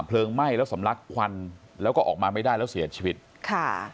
ไหม้แล้วสำลักควันแล้วก็ออกมาไม่ได้แล้วเสียชีวิตค่ะ